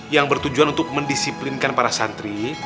yang bertujuan untuk mendisiplinkan para santri